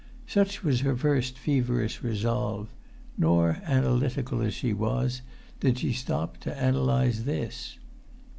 Such was her first feverish resolve; nor, analytical as she was, did she stop to analyse this.